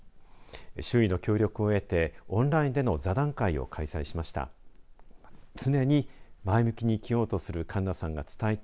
周囲の協力を得てオンラインでの座談会を開催しました。